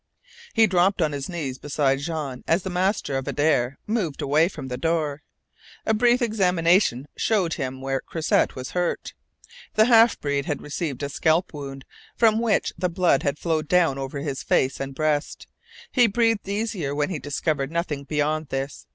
He dropped on his knees beside Jean as the master of Adare moved away from the door. A brief examination showed him where Croisset was hurt. The half breed had received a scalp wound from which the blood had flowed down over his face and breast. He breathed easier when he discovered nothing beyond this.